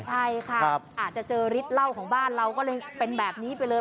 ใช่ค่ะอาจจะเจอฤทธิ์เหล้าของบ้านเราก็เลยเป็นแบบนี้ไปเลย